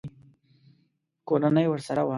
کورنۍ ورسره وه.